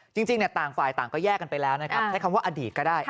จริงต่างฝ่ายต่างก็แยกกันไปแล้วนะครับใช้คำว่าอดีตก็ได้